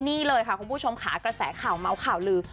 นี่เลยค่ะคุณผู้ชมค่ะกระแสข่าวเมาส์ข่าวลือ